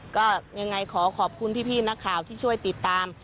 ก็ยังไงขอขอบคุณพี่นักข่าวที่ช่วยติดตาม